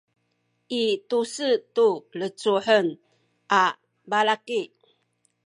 i tu-se tu lecuhen a balaki